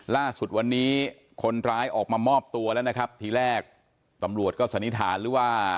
ล่าสุดวันนี้คนร้ายก็ออกมามอบตัวแล้วนะครับ